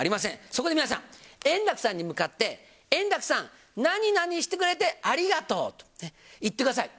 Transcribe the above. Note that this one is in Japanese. そこで皆さん、円楽さんに向かって、円楽さん、何々してくれてありがとうと言ってください。